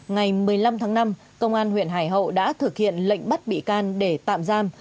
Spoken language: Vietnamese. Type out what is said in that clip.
ngày một mươi năm tháng năm công an huyện hải hậu đã thực hiện lệnh bắt bị can để tạm giam